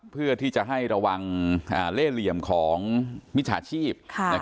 เพื่อที่จะให้ระวังเล่เหลี่ยมของมิจฉาชีพ